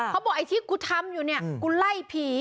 เขาบอกไอ้ที่กูทำอยู่เนี่ยกูไล่ผี